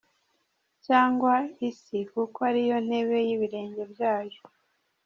Cyangwa isi kuko ari yo ntebe y’ibirenge byayo